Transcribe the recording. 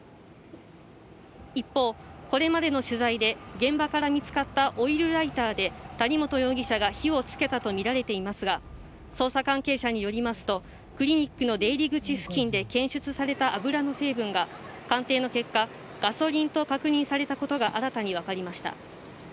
一方、これまでの取材で、現場から見つかったオイルライターで谷本容疑者が火をつけたとみられていますが、捜査関係者によりますと、クリニックの出入口付近で検出された油の成分が鑑定の結果、ガソリンと確認されたことが新たに分かりました。